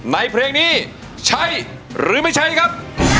เพลงนี้ใช้หรือไม่ใช้ครับ